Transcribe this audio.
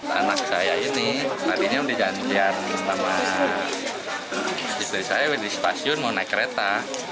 anak saya ini tadinya mendiamkan anak saya